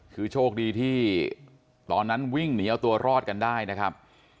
คือโชคดีที่ตอนนั้นวิ่งหนีเอาตัวรอดกันได้นะครับ